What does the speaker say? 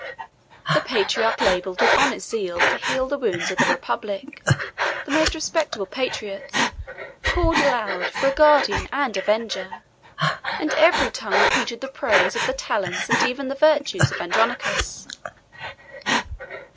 The patriarch labored with honest zeal to heal the wounds of the republic, the most respectable patriots called aloud for a guardian and avenger, and every tongue repeated the praise of the talents and even the virtues of Andronicus.